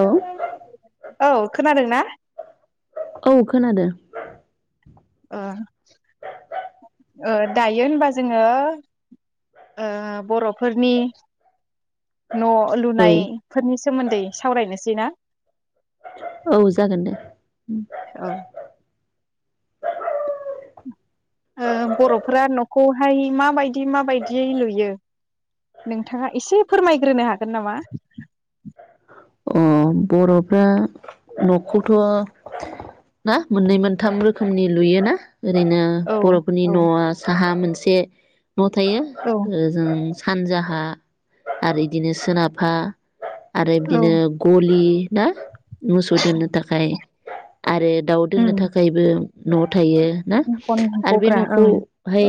औ औ खोनादों ना। औ खोनादों। ओ ओ दायो होनबा जोङो ओ बर'फोरनि न' औ लुनायफोरनि सोमोन्दै सावरायनोसै ना। औ जागोन दे। [inaudible] औ ओ बर'फोरा न'खौहाय माबाय दि माबायदियै लुयो। नोंथाङा एसे फोरमायग्रोनो हागोन नामा। अ बर'फ्रा न'खौथ' ना मोननै मोनथाम रोखोमनि लुयोना। ओरैनो औ बर'फोरनि औ न'आ साहा मो से। न' थायो औ ओ जों सानजाहा आरो इदिनो सोनाबहा आरो औ बिदिनो गलि ना मोसौ दोन्नो थाखाय आरो दाउ दोननो उम थाखायबो न'ट थायो ना गन आरो बे गग्रा ओं न'खौहाय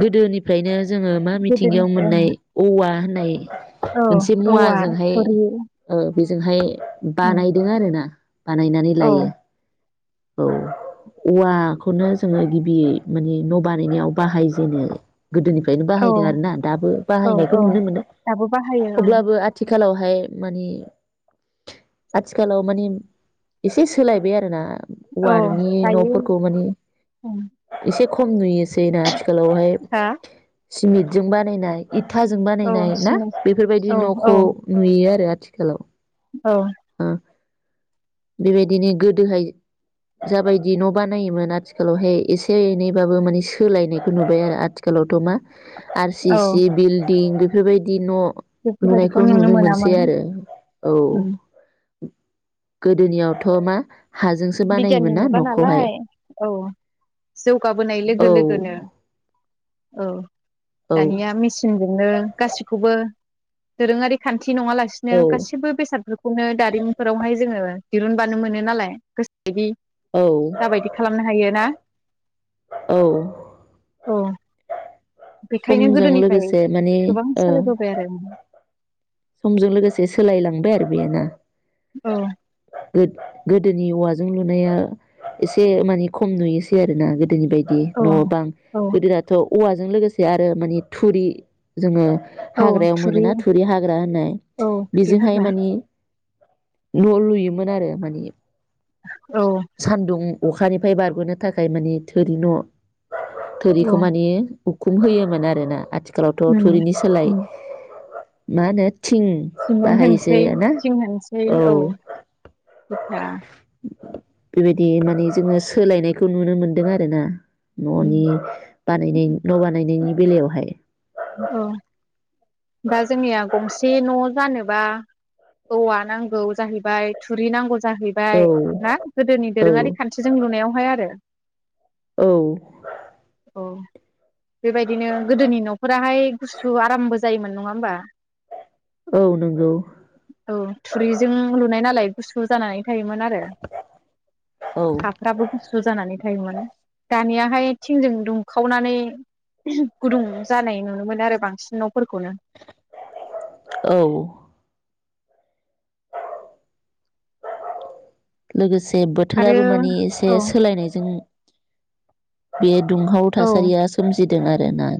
गोदोनिफ्रायनो जोङो मा मिथिंगायाव गोदोनिफ्राय ओं मोननाय औवा होननाय औ मोनसे मुवा औवा थुरि बेजोंहाय उम बानायदों आरो ना बानायनानै औ लायो औ औवाखौनो जोङो गिबि माने न' बानायनायाव बाहायजेनो गोदोनिफ्रायनो औ बाहायदों आरो ना दाबो औ बाहायनायखौ औ नुनो मोनो दाबो बाहायो ओं अब्लाबो आथिखाल आथिखालावहाय मानि आथिखालाव मानि एसे सोलायबाय आरोना औ औवानि दायो न'फोरखौ माने उम एसे खम नुयो सैना आथिखालावहाय हा सिमिटजों बानायनाय इथाजों औ बानायनाय ना सिमेन्ट औ बेफोरबायदि औ न'खौ नुयो आरो आथिखालाव औ ओ बेबायदिनो गोदोहाय जाबायदि न' बानायोमोन आथिखालावहाय एसे एनैबाबो माने सोलायनायखौ नुबाय आरो आथिखालावथ' मा आर सि औ सि बिल दिं बेफोरबायदि न' बेफोरबायदिखौ नुनायखौ नुनो मोनसै मोनामोन आरो औ उम गोदोनियावथ' मा हाजोंसो बानायोमोन बिगियाननि ना मुगा न'खौहाय नालाय औ जौगाबोनाय लोगो औ लोगोनो औ औ दानिया मेचिन नो गासिखौबो दोरोङारि खान्थि खाथि नङा लासिनो औ गासैबो बेसादफोरखौनो दारिमिनफोरावहाय जोङो दिरुनबानो मोनो नालाय बिदि औ जाबायदि खालामनो हायो ना औ [unintelligible] बेखायनो समजों गोदोनिफ्राय लोगोसे माने गोबां ओ सालायबोबाय आरो समजों लोगोसे सोलायलांबाय आरो बेयो ना औ गोद गोदोनि औवाजों लुनाया एसे मानि खम नुयोसै आरोना गोदोनि बायदि बि औ न‌बां औ गोदोनाथ औवाजों लोगोसे आरो माने थुरि जोंङो हाग्रायाव मोनोना थुरि हाग ग्रा होननाय औ थुरि बेजोंहाय हाग्रा माने न लुयोमोन आरो माने औ सान्दुं अखानिफ्राय बारगनो थाखाय माने थोरि न औ थोरिखौ माने उखुम होयोमोन आरो ना आथि आथिखालावथ उम थुरिनि सोलाय उम मा नो थिं सिमेन्ट बाहायसै होनोसै ना थिं होनोसै औ [inaudible] इथा बेबायदि माने जोङो सोलायनायखौ नुनो मोनदों आरो ना ननि बानायनि न बानायनायनि बेलायावहाय औ दा जोंनिया गंसे न जानोबा औवा नांगौ जाहैबाय थुरि नांगौ औ जाहैबाय ना गोदोनि औ दोरोंङारि खान्थिजों लुनायावहाय आरो। औ। औ बेबायदिनो गोदोनि न फोराहाय गुसु आरामबो जायोमोन नंङा होमबा। औ नंगौ [inaudible] औ थुरिजों लुनाय नालाय। गुसु जानानै। थायोमोन आरो औ हाफ्राबो गुसु जानानै थ। थायोमोन दानियाहाय थिंजों दुंखावनानै गुदुं। जानाय नुनो मोनो आरो बांसिनाव। औ। [inaudible] लोगोसे। जे आरो बोथोराबो माने एसे औ सोलायनायजों बे दुंहाव औ थासारिया सोम जिदों आरो ना।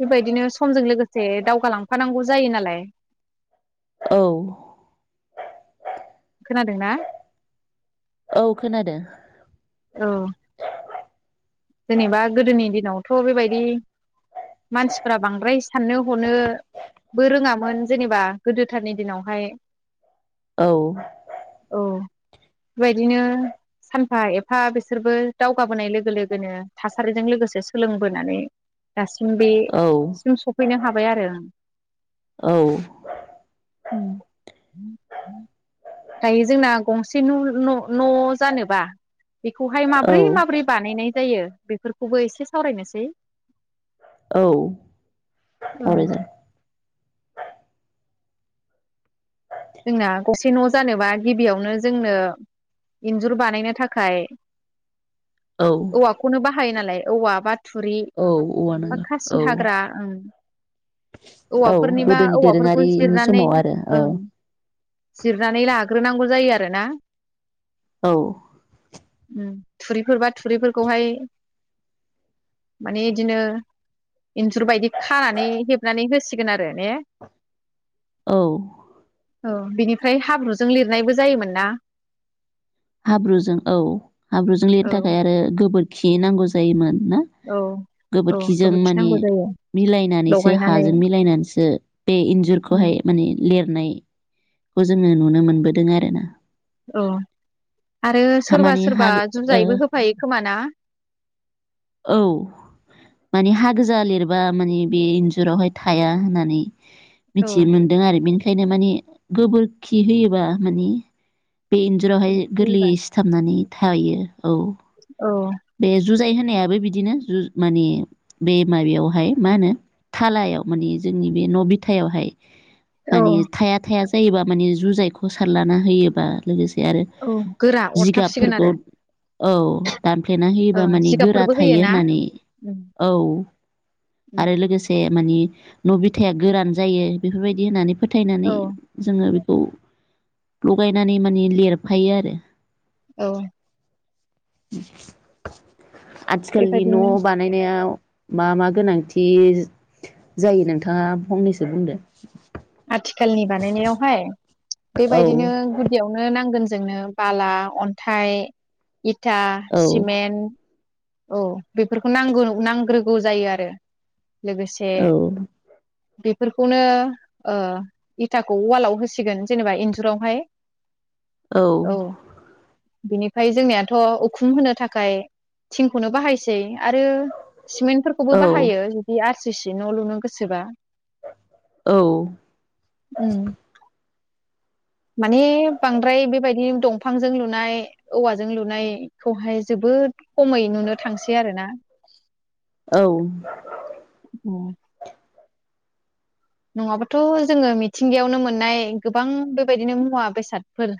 बेबायदिनो समजों लोगोसे दावगालांफानांगौ जायो नालाय‌। औ। खोनादों ना? औ खोनादों। औ जेनेबा गोदोनि दिनावथ' बेबायदि मानसिफ्रा बांद्राय साननो हनोबो रोङामोन जेनेबा गोदोथारनि दिनावहाय। औ। औ बेबायदिनो सानफा एफा बिसोरबो दावगाबोनाय लोगो लो गोनो थासारिजों लोगोसे सोलोंबोनानै दासिम औ बेसिम सफैनो हाबाय आरो औ ओं। उम दायो जोंना गंसे न'-न'-न जानोबा बेखौहाय औ माब्रै माब्रै बानायनाय बेफोरखौबो एसे सावरायनोसै। औ ओं सावरायजा जोंना गसे न' जानोबा गिबियावनो जोंनो इन्जुर बानायनो थाखाय औ औवाखौनो बा हायो नालाय औवा बा थुरि औ औवा बा नाङा औ खासि हाग्रा ओं। औ औवाफोरनिबा गोदोनि औवाफोरखौ दोरोङारिनि जिरनानै समाव आरो औ। ओं जिरनानै लाग्रोनांगौ जायो आरोना। औ। उम थुरिफोर बा थुरिफोरखौहाय माने बिदिनो इन्जुर बायदि खानानै हेबनानै हो सिगोन आरो ने। औ। औ बिनिफ्राय हाब्रुजों लिरनायबो जायोमोन ना। हाब्रुजों औ हाब्रुजों लिरनो औ थाखाय आरो गोबोर खि नांगौ जायोमोन। ना औ औ गोबोरखिजों गोबोरखि माने नांगौ जायो मिलायनानैसो लगायनानै हाजों मिलायनानैसो बे उम इन्जुरखौहाय माने लिरनायखौ जोङो नुनो मोनबोदों आरो ना। औ आरो सोरबा माने हा सोरबा ओ जुजायबो होफायो खोमा ना? औ माने हा गोजा लिरबा माने बे इन्जुरावहाय थाया होननानै औ मिथि मोनदों आरो बेनि ओंखायनो माने गोबोरखि होयोबा माने बे इन्जुरावहाय गोबोरखि होबा गोरलैयै सिथाबनानै थायो औ औ बे जुजाय होनायाबो बिदिनो जु माने बे माबायावहाय मा होनो थालायाव माने जोंनि बे न' बिथायावहाय औ माने थाया थाया जायोबा माने जुजायखौ सारलाना होयोबा लोगोसे आरो औ गोरा अरथाबसिगोन जिगाबफोरखौ आरो औ दानफ्लेना ओ होयोबा माने गोरा जिगाबफोरबो होयो थायो ना होननानै उम औ आरो लोगोसे मानि न' बिथाया गोरान जायो बेफोरबायदि होननानै फोथायनानै औ जोङो औ, लगायनानै माने लिरफायो आरो औ आथिखालनि न' बेबायदिनो बानायनायाव मा मा गोनांथि जायो नोंथाङा फंनैसो बुंदो आथिखालनि बानायनायावहाय बेबायदिनो औ-औ-औ-औ-औ-औ-औ-औ गुदियावनो नांगोन जोंनो बाला अन्थाइ इथा सिमेन्ट औ बेफोरखौ नांगौ नांग्रोगौ जायो आरो लोगोसे बेफोरखौनो ओ इथाखौ अवालाव होसिगोन जेनेबा इन्जुरावहाय। औ। बिनिफ्राय जोंनियाथ' उखुम होनो थाखाय थिंखौनो बाहायसै आरो सिमेन्ट फोरखौबो बाहायो जुदि आरो ससेसे न' लुनो गोसोबा औ उम माने बांद्राय बेबायदि दंफांजों लुनाय औवाजों लुनायखौहाय जोबोद खमै नुनो थांसै आरोना, औ उम नङाबाथ' जोङो मिथिंगायावनो मोननाय गोबां बेबायदिनो मुवा बेसादफोर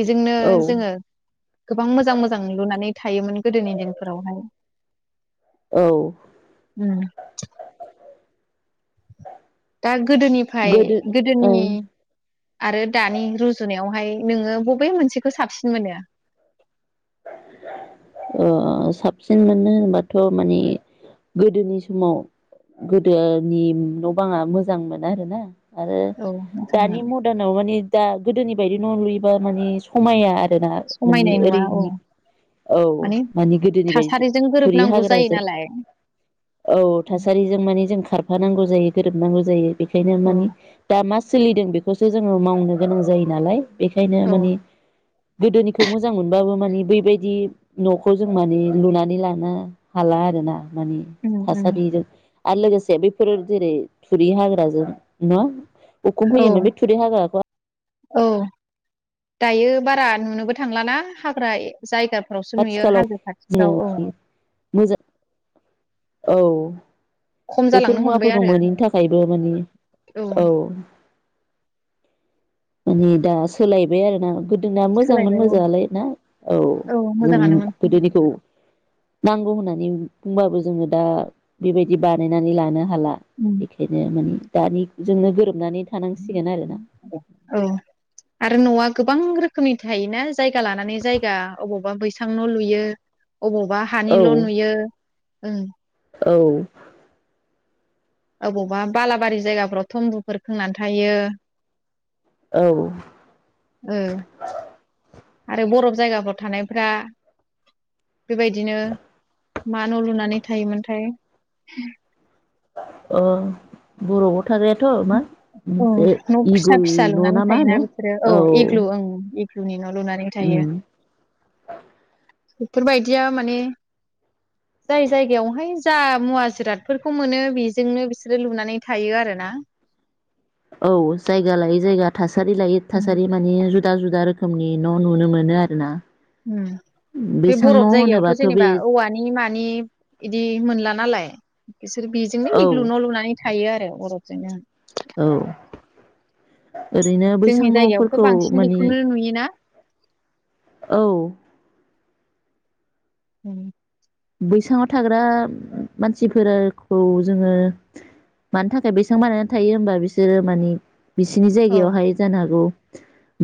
बिजोंनो जोङो गोबां मोजां मोजां लुनानै। थायोमोन गोदोनि दिनफोरावहाय दा गोदोनिफ्राय गोदो गोदोनि ओ आरो दानि रुजुनायावहाय नोङो बबे मोनसेखौ साबसिन मोनो? अ साबसिन मोनो होनबाथ' माने गोदोनि समाव गोदोनि न' बाङा मोजां मोनो आरोना। आरो औ दानि मोजांमोन मदार्नाव माने दा गोदोनि बायदि न' लुयोबा माने समाया आरो गोना माने समायनाय नुवा औ ओरैनि औ माने गोदोनि बायदि थासारिजों थुरि गोरोबनांगौ जायो हाग्राजों नालाय औ थासारिजों माने जों खारफा नांगौ जायो गोरोबनांगौ जायो। बेखायनो औ माने दा मा सोलिदों बेखौसो जोङो मावनो गोनां जायो नालाय बेखायनो औ माने गोदोनिखौ मोजां मोनबाबो माने बै बायदि न'खौ जों माने लुनानै लानो हाला आरोना माने उम उम थासारिजों आरो लोगोसे बेफोर जेरै थुरि हाग्राजों न उखुम औ होयोमोन बे थुरि हाग्राखौ औ दायो बारा नुनोबो थांलाना हाग्रा जायगा फोरावसो नुयो आथिखालाव हाजो खाथिफ्राव औ जोङो मोजां औ खम बेफोर जालांनो हमबाय मुवाफोरखौ आरो मोनैनि थाखायबो माने औ नेै दा सोलायबाय आरोना गो दोना मोजांमोन सोलायबाय औ मोजाङलाय ना औ जों गोदोनिखौ नांगौ होननानै बुंबाबो जोङो दा बेबायदि बानायनानै लानो हाला उम बेखायनो माने दानिजोंनो गोरोबनानै थानांसिगोन आरो ना औ आरो नआ गोबां रोखोमनि थायोना जायगा लानानै जायगा अबावबा बैसां न लुयो अबावबा औ हानिल' नुयो ओं औ अबावबा बालाबारि जायगाफोराव थम्बुफोर खोंनानै थायो, औ, ओ आरो बरफ जायगाफोराव थानायफोरा, बेबायदिनो मा न' लुनानै थायोमोनथाय अ बरबआव थाग्रायाथ' मा अ मोनसे न' फिसा इगल फिसा न' ना लुनानै मा थायोना होनो बिसोरो औ एग्लु ओं [unintelligible] लुनानै थायो। उम बेफोरबायदिया माने जाय जायगायावहाय जा मुवा जिरादफोरखौ मोनो बेजोंनो बिसोरो लुनानै थायो आरोना, औ जायगा लायै जायगा था - थासारि लायो उम थासारि माने जु जुदा जुदा रोखोमनि न' नुनो मोनो आरो ना? उम बे बरफ जायगायावथ' होनोबाथ' जेनेबा बे औवानि मानि बिदि मोनला नालाय, बिसोर बेजोंनो औ इग्लु न लुनानै थायो आरो अरफजोंनो औ ओरैनो बैसां जोंनि जायगायावथ' न'फोरखौ बांसिन माने, बेखौनो नुयोना औ उम बैसाङाव थाग्रा मानसिफोरखौ जोङो मानि थाखाय बैसां बानायनानै थायो होमबा बिसोरो माने, बिसिनि औ जायगायावहाय जानो हागौ,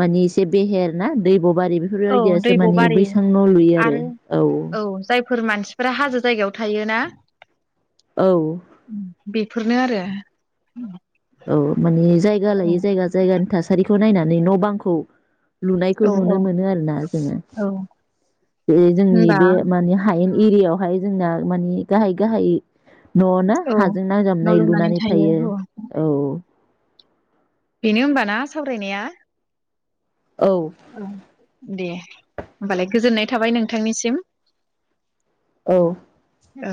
मानि इसे बेहेर ना दै बरबारि औ बेफोरबायदियासो मानि दैब'बारि बैसां न' लुयो आरो औ फोर मानसिफोरा हाजो जायगायाव थायो ना? औ। बेफोरनो आरो। औ माने जायगा औ लायै जायगा जायगानि थासारिखौ नायना, नै न' बांखौ। लुनायखौ औ नुनो मोनो आरो ना जोङो औ बे जोंनि होनबा बे माने हायेन। एरियायावहाय जोंना मानि गाहाय गाहाय। न'आवनो औ हाजों नांजाबनाय लुनानै थायो। औ। बेनो ओबाना सावरायनाया? औ। औ दे होमबालाय गोजोननाय थाबाय नोंथांनिसिम औ ओ